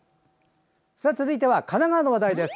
続いては神奈川の話題です。